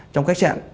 trong khách sạn